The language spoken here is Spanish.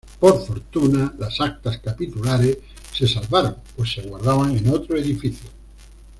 Por fortuna, las actas capitulares se salvaron pues se guardaban en otro edificio.